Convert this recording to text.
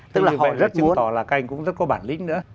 tức là họ rất muốn